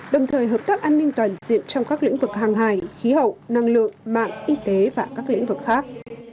đồng thời hợp tác an ninh toàn diện trong các lĩnh vực hàng hài khí hậu năng lượng mạng y tế và các lĩnh vực khác